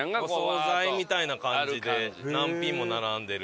お惣菜みたいな感じで何品も並んでる。